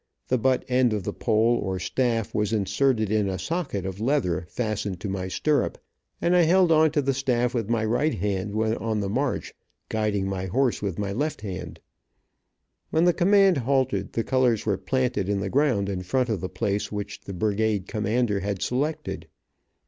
The butt end of the pole, or staff, was inserted in a socket of leather fastened to my stirrup, and I held on to the staff with my right hand when on the march, guiding my horse with my left hand, When the command halted the colors were planted in the ground in front of the place which the brigade commander had selected.